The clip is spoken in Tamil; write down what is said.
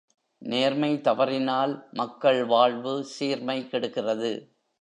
நேர்மை தவறினால் மக்கள் வாழ்வு சீர்மை கெடுகிறது.